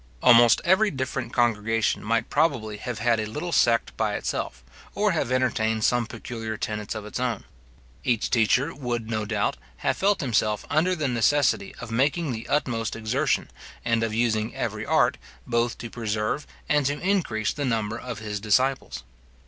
Almost every different congregation might probably have had a little sect by itself, or have entertained some peculiar tenets of its own. Each teacher, would, no doubt, have felt himself under the necessity of making the utmost exertion, and of using every art, both to preserve and to increase the number of his disciples.